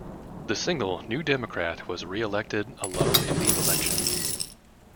The single New Democrat was re-elected alone in these elections.